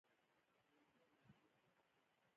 په دې سره پوهېږو چې کارګر څومره کار کړی دی